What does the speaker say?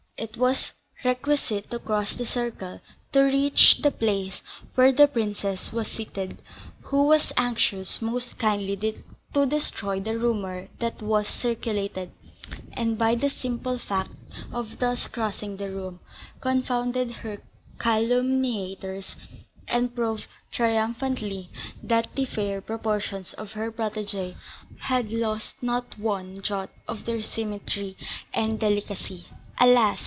It was requisite to cross the circle to reach the place where the princess was seated, who was anxious most kindly to destroy the rumour that was circulated, and, by the simple fact of thus crossing the room, confound her calumniators, and prove triumphantly that the fair proportions of her protégée had lost not one jot of their symmetry and delicacy. Alas!